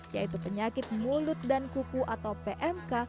yaitu penyakit mulut dan kuku atau pmk